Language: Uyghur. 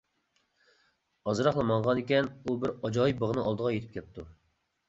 ئازراقلا ماڭغانىكەن، ئۇ بىر ئاجايىپ باغنىڭ ئالدىغا يېتىپ كەپتۇ.